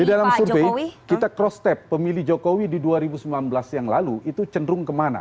di dalam survei kita cross tap pemilih jokowi di dua ribu sembilan belas yang lalu itu cenderung kemana